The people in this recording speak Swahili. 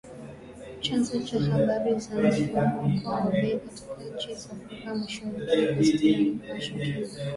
Chanzo cha habari za mfumuko wa bei katika nchi za Afrika mashariki ni gazeti la Nipashe, Kenya